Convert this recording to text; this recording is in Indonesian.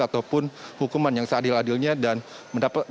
ataupun hukuman yang seadil adilnya dan mendapatkan